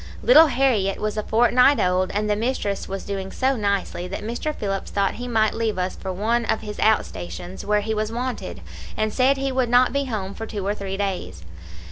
Little Harriett was a fortnight old, and the mistress was doing so nicely that Mr. Phillips thought he might leave us for one of his out stations, where he was wanted, and said he would not be home for two or three days.